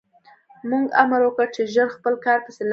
موږ امر وکړ چې ژر خپل کار پسې لاړ شي